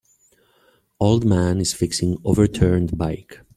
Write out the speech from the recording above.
Old man is fixing overturned bike.